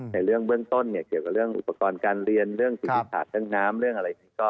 ในเรื่องเบื้องต้นเกี่ยวกับเรื่องอุปกรณ์การเรียนเรื่องสิทธิภาพเรื่องน้ำเรื่องอะไร